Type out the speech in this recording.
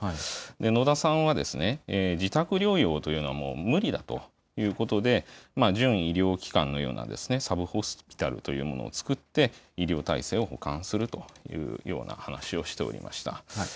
野田さんは、自宅療養というのは、もう無理だということで、準医療機関のようなサブホスピタルというものを作って、医療体制を補完するというような話をしておりま